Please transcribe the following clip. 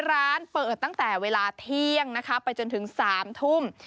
ร้านเปิดตั้งแต่เวลาเที่ยงนะคะไปจนถึง๓ทุ่ม